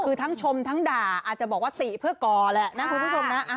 คือทั้งชมทั้งด่าอาจจะบอกว่าติเพื่อก่อแหละนะคุณผู้ชมนะ